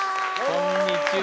こんにちは。